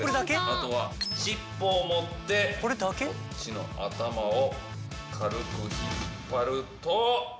あとは尻尾を持ってこっちの頭を軽く引っ張ると。